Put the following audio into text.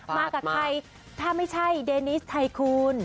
มากับใครถ้าไม่ใช่เดนิสไทคูณ